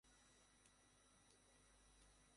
ওদের ছয়জন লোক আছে।